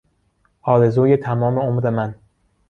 آرزوی تمام عمر من